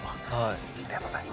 ありがとうございます。